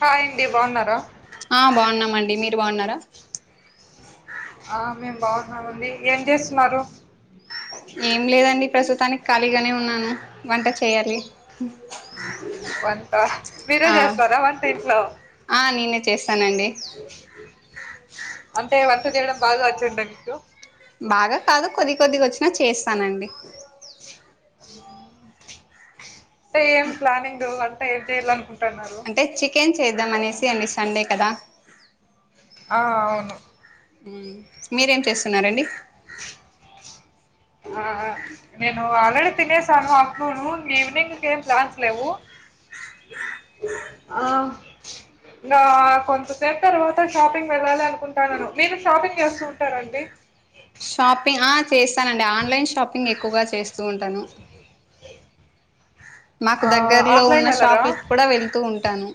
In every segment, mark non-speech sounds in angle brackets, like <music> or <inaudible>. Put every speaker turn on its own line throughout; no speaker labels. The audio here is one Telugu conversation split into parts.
హాయండి బావున్నారా
ఆ బావున్నామండి మీరు బావున్నారా
ఆ మేం బావున్నామండి ఏంజేస్తున్నారు
ఏం లేదండి ప్రస్తుతానిక్ ఖాళీగానే ఉన్నాను వంట చేయాలి
వంట మీరే
ఆ
జేస్తారా వంట ఇంట్లో
ఆ నేనే చేస్తానండి
అంటే వంట జేయడం బాగా వచ్చంట మీకూ
బాగ కాదు కొద్దికొద్దిగొచ్చినా చేస్తానండి
టేం ప్లానింగు వంట ఏం జేయాలనుకుంటన్నారు
అంటే చికెన్ చేద్దామనేసి అండి సండే కదా
ఆ అవును
ఉ మీరేం చేస్తున్నారండి
ఆ నేనూ ఆల్రెడి తినేసాను ఆఫ్నూను ఈవినింగ్కేం ప్లాన్స్ లేవు
<inaudible>
ఆ ఇంగా కొంతసేపు తర్వాత షాపింగ్ వెళ్ళాలి అనుకుంటానను మీరు షాపింగ్ చేస్తూ ఉంటారండి
షాపింగ్ ఆ చేస్తానండి ఆన్లైన్ షాపింగ్ ఎక్కువగా చేస్తూ ఉంటాను మాకు
ఆ,
దగ్గర్లో ఉన్న
ఆఫ్లైన్ వెళ్ళరా
షాపులకి కుడా వెళ్తూ ఉంటాను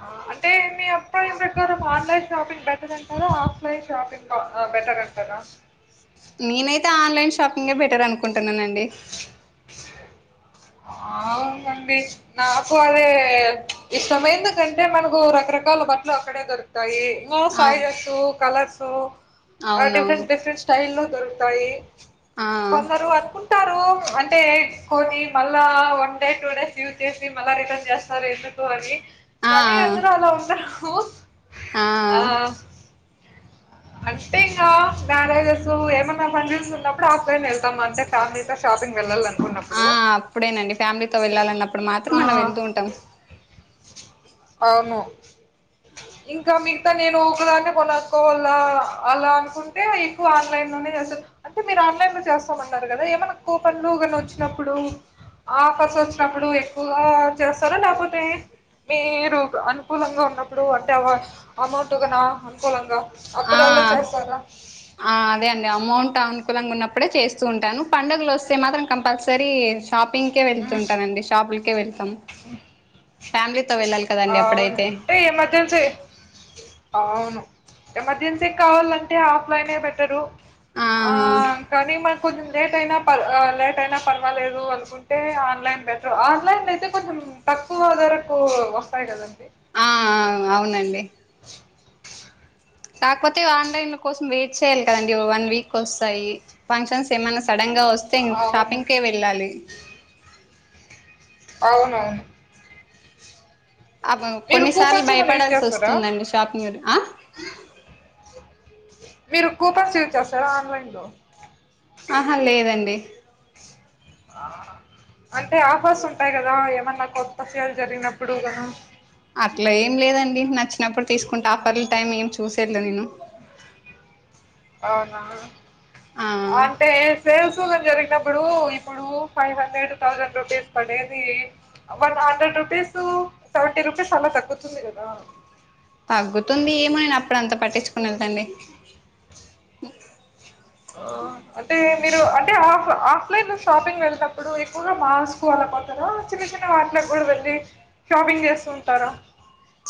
ఆ అంటే మీ అభిప్రాయం ప్రకారం ఆన్లైన్ షాపింగ్ బెటరంటారా ఆఫ్లైన్ షాపింగ్ అ బెటరన్ టారా
నేనైతే ఆన్లైన్ షాపింగే బెటరనుకుంటున్నానండి
అవునండీ నాకూ అదే ఇష్టము ఎందుకంటే మనకూ రకరకాల బట్లు అక్కడే దొరుకు తాయి మో
అవు
సైజెస్సూ కలర్సూ ఆ
అవునవును
డిఫరెంట్ డిఫరెంట్ స్టైల్లో దొరుకుతాయి
ఆ
కొందరు అనుకుంటారూ అంటే కొని మళ్ళా one day two days use చేసి మళ్ళా రిటర్న్ జేస్తారు ఎందుకూ అని
ఆ
కానీ అందరూ అలా ఉండరూ ఆ
<inaudible>
అంటే ఇంగా మ్యారేజెసు ఏమన్నా ఫంక్షన్సున్నప్పుడు ఆఫ్లైన్ వెళ్తాం అంటే ఫ్యామిలీతో షాపింగ్ వెళ్ళాల
ఆ
కున్నప్పుడు
అప్పుడేనండి ఫ్యామిలీతో వెళ్ళాలన్నప్పుడు మాత్రం
ఆ
అలా వెళ్తూ ఉంటాం
అవును
<inaudible>
ఇంకా మిగతా నేను ఒక్కదాన్ని కొనుక్కోవాల అలా అనుకుంటే ఎక్కువ ఆన్లైన్ లోనే చేస్తాను అంటే మీరు ఆన్లైన్ లో చేస్తామన్నారు కదా ఏమన్నా కూపన్లు కానీ వచ్చినప్పుడు ఆఫర్స్ వచ్చినప్పుడు ఎక్కువగా చేస్తారా లేకపోతే మీరు అనుకూలంగా ఉన్నప్పుడు అంటే అ అమౌంట్గా నా అనుకూలంగా
ఆ
అప్పుడు అలా చేస్తారా
ఆ అదే అండి అమౌంట్ అనుకూలంగా ఉన్నప్పుడే చేస్తూ ఉంటాను పండుగలు వస్తే మాత్రం కంపల్సరీ షాపింగ్కే వెళ్తుంటానండి షాపులకే వెళ్తాం ఫ్యామిలీతో వెళ్ళాలి
అ
కదండి
అవును
అప్పుడైతే
ఉంటే ఎమర్జెన్సీ అవును ఎమర్జెన్సీకి కావాలంటే ఆఫ్ లైనే బెటరు ఆ కానీ మకు కొంచం లేట్ అయినా పర్వా ఆ లేట్ అయినా పర్వాలేదు అను కుంటే ఆన్లైన్ బెటర్ ఆన్లైన్ల అయితే కొంచెం తక్కువ ధరకు వస్తాయి కదండి
ఆ అవునండి కాకపోతే ఆన్లైన్ల కోసం వెయిట్ చేయాలి కదండి వన్ వీక్ కి వస్తాయి ఫంక్షన్స్ ఏమన్నా సడన్ గా వస్తే
అవును.
షాపింగ్ కే వెళ్ళాలి
అవునవును మీరు
కొన్నిసార్లు
కూపన్స్ ఏమన్నా యూజ్
భయపడాల్సి
చేస్తారా?
వస్తుందండి షాపింగ్ ఆ
మీరు కూపన్స్ యూస్ చేస్తారా ఆన్లైన్ లో
ఆహా లేదండి
అంటే ఆఫర్స్ ఉంటాయి కదా ఏమన్నా కొత్త సేల్ జరిగినప్పుడు గాను
అట్లా ఏం లేదండి నచ్చినప్పుడు తీసుకుంట ఆఫర్ల టైం ఏం చూసేట్లే నేను
అవునా
ఆ
అంటేే సేల్స్ ఎక్కువగా జరిగినప్పుడు ఇప్పుడు ఫైవ్ హండ్రెడ్ థౌజండ్ రూపీస్ పడేది one hundred rupees seventy rupees అలా తగ్గుతుంది కదా
తగ్గుతుంది ఏమోని అప్పుడు అంత పట్టించుకోను అండి
ఆ,
అ
అంటే మీరు అంటే ఆఫ్ ఆఫ్ లైన్ లో షాపింగ్ వెళ్ళేటప్పుడు ఎక్కువగా మాస్కు అలా చిన్న చిన్న వాటికి కూడా వెళ్ళలి షాపింగ్ చేస్తు ఉంటారా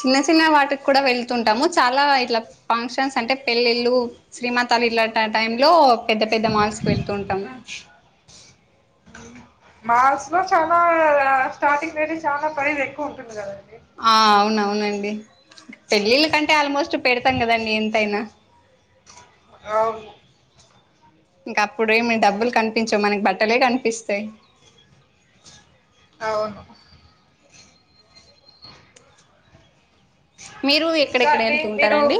చిన్న చిన్న వాటికి కూడా వెళ్తుంటాము చాలా ఇట్లా ఫంక్షన్స్ అంటే పెళ్ళిళ్ళు శ్రీమాతాలు ఇల్లా టైమ్ లో పెద్ద పెద్ద మాల్స్ కి వెళ్తు ఉంటాం
మాల్స్ లో చాలా స్టార్టింగ్ రేట్ చాలా ప్రైస్ ఎక్కువ ఉంటుంది కదండి
ఆ అవునవునండి పెళ్ళిళ్ళ కంటే ఆల్మోస్ట్ పెడతాం కదండీ ఎంతైనా
అవును
ఇంకా అప్పుడేమి డబ్బులు కనిపించవు మనకి బట్టలే కనిపిస్తాయి
అవును
మీరు
ఇంకా
ఎక్కడెక్కడ
అండి
వెళ్తు
మీరు
ఉంటారండి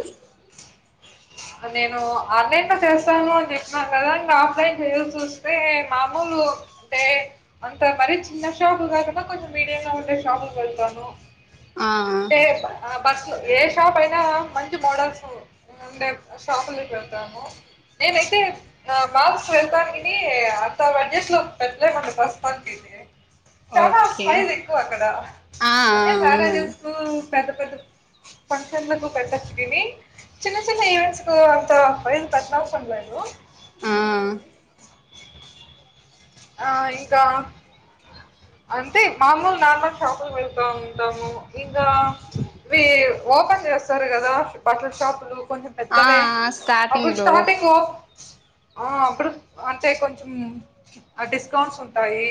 నేను ఆన్లైన్ లో చేస్తాను అని చెప్పినాను కదాంగా ఆఫ్లైన్ చేయాల్ వస్తే మామూలు అంటే అంత మరి చిన్న షాపుకు కాకుండా కొంచెం మీడియంగా ఉండే షాపుకు వెళ్తాను
ఆ
అంటే బస్సు ఏ షాప్ అయినా మంచి మోడల్స్ ఉండే షాపు లోకి వెళ్తాను నేనైతే మాల్స్కి వెళ్తానికని అంత బడ్జస్ లో పెట్టలేమండి ప్రస్తుతానికి అయితే చాలా
ఓకే
ఫైవ్ ఎక్కువ అక్కడ
ఆ
అంటే
ఆ, అవునండి
మ్యారేజెస్ కు పెద్ద పెద్ద ఫంక్షన్ లకు కట్టొచ్చని చిన్న చిన్న ఈవెంట్స్ కు అంత ఫయిల్ తటన్ అవసరం లేదు.
ఆ
ఆ ఇంకా అంతే మామూల్ నార్మల్ చపాలు వేల్ తొంతాము. ఇంగా వీ ఓపెన్ జేస్తారు కదా బట్టల షాపులు కొంచెం
ఆ
పెద్దవే అప్పుడు
స్టార్టింగ్ లో
స్టార్టింగు ఆ అప్పుడు అంటే కొంచెం డిస్కౌంట్స్ ఉంటాయి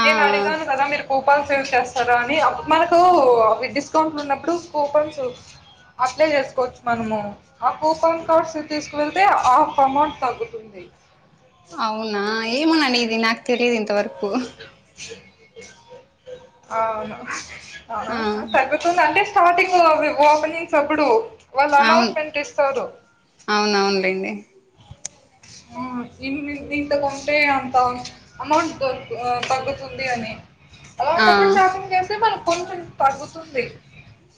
ఆ
నేను అడిగ్ కాన్ కదా మీరు పు కూపన్స్ యూస్ చేస్తారా అని మనకు అవి డిస్కౌంట్లు ఉన్నప్పుడు కూపన్సు. అప్లై జేసుకోవచ్చు మనము ఆ కూపన్ కార్డ్స్ తీసుకు వెళ్తే ఆఫ్ అమౌంట్ తగ్గుతుంది.
అవునా ఏమోన్నా నిదీ నాక్ తెలియద్ ఇంతవరక్
అవును
ఆ
ఆఆ తగు తున్ అంటే స్టార్టింగ్ వీ ఓపెనింగ్స్ అప్పుడు వాళ్ళు అనౌన్స్మెంట్ ఇస్తారు.
అవునవును లేండి.
ఆ దీనమి దీంట్లా కంటే అంత అమౌంట్ దొరక్ తగ్గుతుంది అని,
ఆ
అలాంటప్పుడు షాపింగ్ చేస్తే మనక్ కోచ్ తగ్గుతుంది.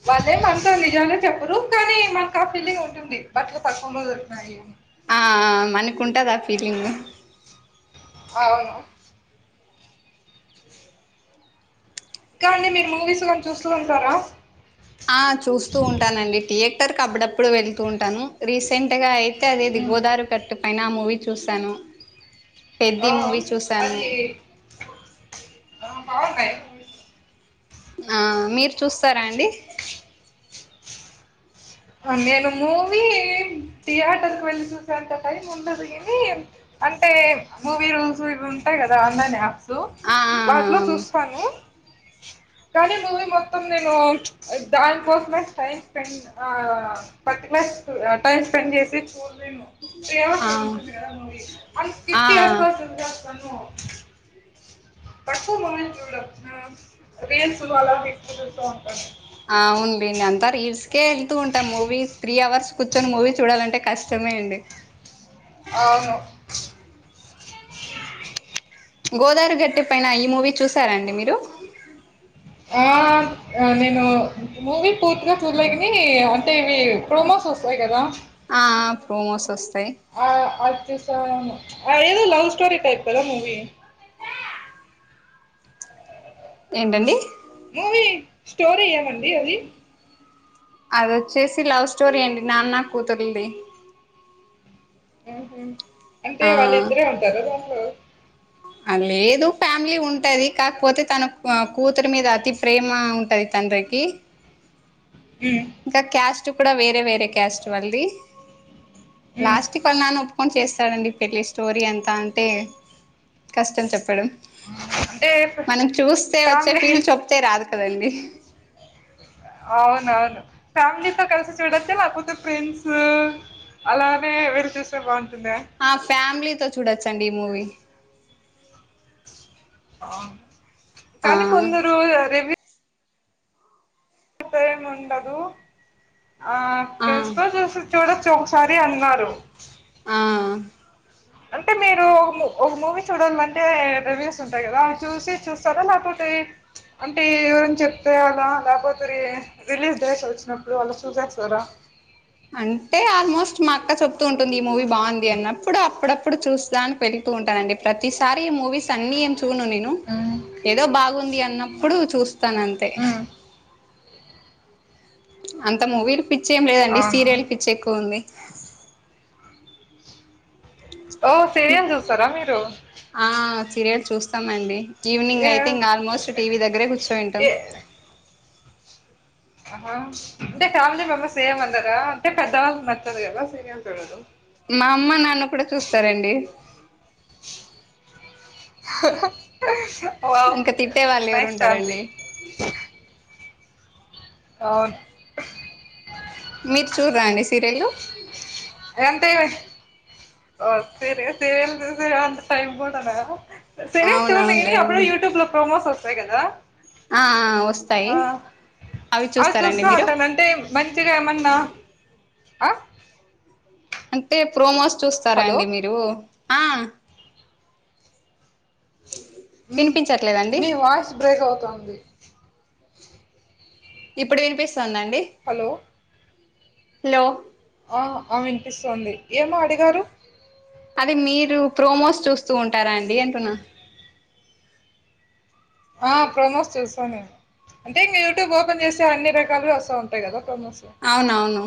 వాళ్ళే మన్సు నిజమే చెప్పరు కానీ, మాకు ఆ ఫీలింగ్ ఉంటుంది. బట్టల పక్కువ రోజు న్నాయి అని
ఆ ఆ మనకుంటది ఆ ఫీలింగు.
అవును కానీ మీరు మూవీస్ గాని చూస్తూ ఉంటారా.
ఆ చూస్తూ ఉంటానండి. థియేటర్క్ అబ్బుడప్పుడు వెళ్తూ ఉంటాను రీసెంట్ గాయి తే అది ఇది
ఉమ్.
గోదవరి గట్టు పైన ఆ మూవీ చూశాను, పెద్ది మూవీ చూసాను.
ఓ బావుందా అయిబ్బు
ఆ మీరు చూస్తారా అండి.
నేను మూవీ థియేటర్క్ వెళ్ళి చూసే అంతా టైం ఉండదు గానీ. అంటే మూవీ రూల్స్ ఇవి ఉంటాయ్ గదా ఆన్లైన్ అప్స్. దు
ఆ
వాట్లో చూస్తాను. కానీ మూవీ మొత్తం నేను దాని కోసమే టై స్పెండ్. ఆ పట్టిల్లేస్తూ టైమ్ స్పెండ్ జేసి చూడలేను.
ఆ ఆ
దేవాసి ఉంటుంది కదా మూవీ అన్
ఆ
స్కిప్
ఆ
చేస్కోన్ చూసేస్తాను. తక్కువ మూవీ చూడం. ఆ వీ ఏస్ వాళ్ళ విక్టులు చూడం.
అవుండి అంతా రీల్స్కే ఏళ్తూ ఉంటాం. మూవీ త్రీ అవర్స్ కూర్చొని మూవీ చూడాలంటే కష్టమే అండి.
అవును
గోదారి గట్టు పైన ఈ మూవీ చూసారండి మీరు.
ఆ నేను మూవీ పూర్తిగా చూడలేగని అంటే ఇవి ప్రోమోస్ ఓస్ బోయ్ గదా
ఆ ఆ ప్రోమోస్ సోస్తాయ్.
ఆ అద్ చూసాను ఆ ఏదో లవ్ స్టోరి టైప్ కదా మూవీ.
ఏంటండి.
మూవీ స్టోర్ ఏమండీ అది.
అదొచ్చేసి లవ్ స్టోరీ అండి నాన్న కూతుర్లుది
ఉహు అంటే వాళ్ళిద్దరే ఉంటారా దాంట్లో
ఆ లేదు ఫ్యామిలీ ఉంటది కాకపోతే తన క్వా కూతురు మీద అతి ప్రేమ ఉంటాది తండ్రికి.
ఉ
ఇంకా క్యాస్టు కూడా వేరే వేరే క్యాస్ట్ వాళ్ళది
హ్మ్.
లాస్ట్ వాళ్ళ నాన్న ఒప్పుకొని చేస్తాడండి పెళ్ళి స్టోరీ ఎంత అంటే కష్టం చెప్పడం.
అంటే ఫ్
మనం చూస్తే వచ్చే
ఫ్యామిలీ
ఫీల్ చెప్తే రాదు కదండి
అవునవును ఫ్యామిలితో కలిసి చూడచ్చా ల్యాకపోతే ప్రెండ్సు అలానే వెళ్లి చూస్తే బాగుంటుందా
ఆ ఫ్యామిలీతో చూడొచ్చండి ఈ మూవీ
ఆ
ఆ
కానీ కొందరు రివ్యూ ఒకరేం ఉండదు ఆ
ఆ
ఫ్రెండ్స్ తో చూసి చూడచ్చ ఒకసారి అన్నారు
ఆ
అంటే మీరు ఒ మూ ఒక మూవీ చూడాలి అంటే రివ్యూస్ ఉంటాయి కదా చూసి చూస్తారా ల్యాకపోతే అంటే ఎవరన్న చెప్తేయాలా ల్యాకపోతే రి రిలీజ్ డ్రేస్ వచ్చినప్పుడు వాళ్ళు చూసేస్తారా
అంటే ఆల్మోస్ట్ మా అక్క చెప్తూ ఉంటుంది ఈ మూవీ బాంది అన్నప్పుడు అప్పుడప్పుడు చూస్తా దానిక్ వెళుతూ ఉంటానండి ప్రతిసారి ఈ మూవీస్ అన్నీ ఏం చూన్ను నేను
ఉమ్
ఏదో బాగుంది అన్నప్పుడు చూస్తాను అంతే. అంత మూవీలు పిచ్చి ఏం లేదండి
అవునా
సీరియల్ పిచ్చి ఎక్కువ ఉంది.
ఓ సీరియల్ చూస్తారా మీరు
ఆ సీరియల్స్ చూస్తామండి ఈవినింగ్
ఏ
అయితే ఇంకా ఆల్మోస్ట్ టీవీ దగ్గరే కూర్చోయింటాం.
ఏ ఆహా అంటే ఫ్యామిలీ మెంబర్స్ ఎమ్ అనరా అంటే పెద్దవాళ్లు నచ్చదు కదా సీరియల్ చూడడం.
మా అమ్మ నాన్న కూడా చూస్తారండి
అహహహా వావ్
ఇంకా తిట్టే వాళ్ళు
నైస్ ఫ్యామిలీ
ఎవరుంటారండి
అవును
మీరు చూర్రా అండి సీరియల్లు
ఎంతేవే ఓ తిరే సీరియల్ చూసేరా అంత టైం కూడానా. సీరియల్స్ చూన్నే అప్పుడు
అవునవునులేండి
యూట్యూబ్లో ప్రోమోస్ వస్తాయి కదా.
ఆ వస్తాయి
ఆ
అవి చూస్తారండి
చూస్తా
మీరు
ఉంటాను అంటే మంచిగా ఏమన్నా అ
అంటే ప్రోమోస్ చూస్తారా
హలో
అండి మీరు ఆ
ఉ
వినిపించట్లేదండి
మీ వాయిస్ బ్రేక్ అవుతుంది
<inaudible> ఇప్పుడు వినిపిస్తందా అండి
హలో
హలో
ఆ ఆ వినిపిస్తాంది ఏమో అడిగారు
అది మీరు ప్రోమోస్ చూస్తూ ఉంటారా అండి అంటున్నా.
ఆ ప్రమోస్ చూస్తా నేను అంటే ఇంకా యూట్యూబ్ ఓపెన్ చేస్తే అన్ని రకాలుగా వస్తు ఉంటాయిగా ప్రోమోసు
అవునవును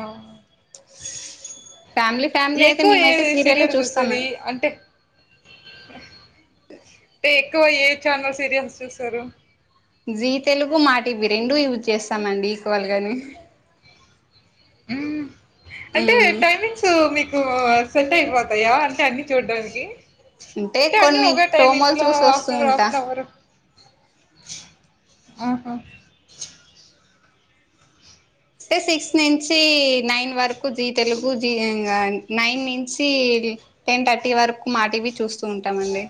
ఆ
ఫ్యామిలీ ఫ్యామిలీ అయితే
ఎక్కువ ఏ
మేమైతే
సీరియల్ చూసేది
చూస్తామండి
అంటే టే ఎక్కువ ఏ ఛానల్ సీరియల్స్ చూస్తారు
జీ తెలుగు మా టివి రెండు యూజ్ చేస్తానండి ఈక్వల్ గానే
ఉమ్మ్ అంటే
ఉమ్
టైమింగ్ స్ మీకు సెట్ అయిపోతాయా అంటే అన్ని చూడ్డానికి
అంటే
టే అన్ని
కొన్ని
ఒకే
ప్రోమోలు
టైమింగ్స్‌లో
చూసి వస్తూ
హాఫ్‌న్ అవర్
ఉంటా
హాఫన్ అవరు ఆహా
టే సిక్స్ నుంచి నైన్ వరకు జి తెలుగు జి ఇంగ నైన్ నుంచి టెన్ థర్టీ వరకు మా టీవీ చూస్తూ ఉంటామండి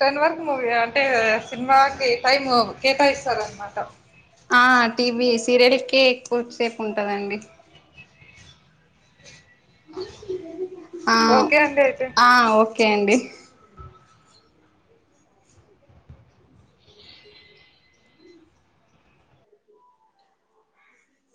టెన్ వరకు మూవీ అంటే సినిమాకి టైమ్ కేటాయిస్తారు అనమాట
ఆ టీవీ సీరియల్ కే ఎక్కువ సేపు ఉంటదండి ఆ
ఓకే అండి అయితే.
ఆ ఓకే అండి